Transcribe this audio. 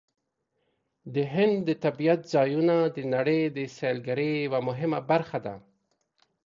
د هند د طبیعت ځایونه د نړۍ د سیلګرۍ یوه مهمه برخه ده.